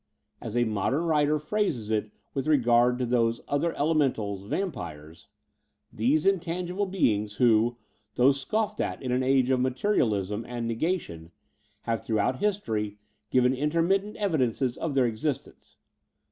As a modem writer phrases it with regard to those other elementals, vampires —' These intangible beings, who, though scoflFed at in an age of materialism and negation, have throughout history given inter mittent evidences of their existence